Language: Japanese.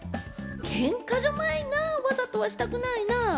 けんかじゃないな、わざとしたくないな。